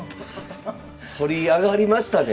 反り上がりましたね。